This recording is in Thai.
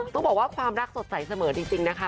ต้องบอกว่าความรักสดใสเสมอจริงนะคะ